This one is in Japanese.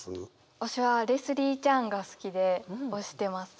推しはレスリー・チャンが好きで推してます。